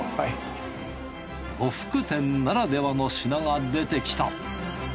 呉服店ならではの品が出てきた。